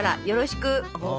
よろしく！！」。